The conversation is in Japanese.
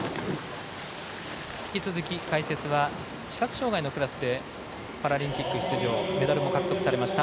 引き続き解説は視覚障がいのクラスでパラリンピック出場メダルも獲得されました